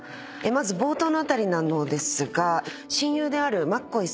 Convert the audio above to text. まず冒頭の辺りなのですが。